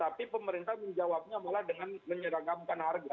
tapi pemerintah menjawabnya malah dengan menyeragamkan harga